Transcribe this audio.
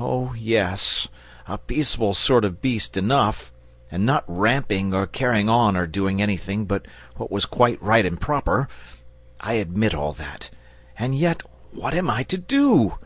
Oh, yes, a peaceable sort o' beast enough, and not ramping or carrying on or doing anything but what was quite right and proper. I admit all that. And yet, what am I to do?